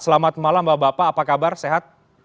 selamat malam bapak bapak apa kabar sehat